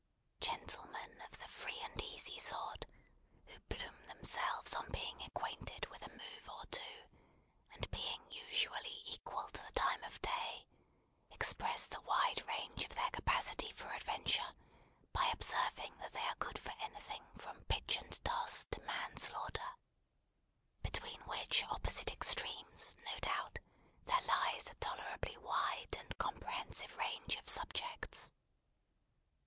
Gentlemen of the free and easy sort, who plume themselves on being acquainted with a move or two, and being usually equal to the time of day, express the wide range of their capacity for adventure by observing that they are good for anything from pitch and toss to manslaughter; between which opposite extremes, no doubt, there lies a tolerably wide and comprehensive range of subjects.